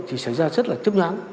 thì xảy ra rất là chấp nhắn